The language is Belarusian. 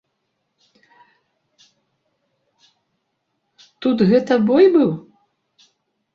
Тут гэта бой быў?